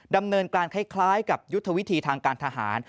ดำเนินการคล้ายกับยุทธวิธีทางการทหาร